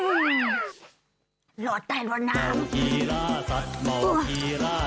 หล่อใจหล่อหนา